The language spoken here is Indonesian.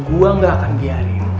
gua gak akan biarin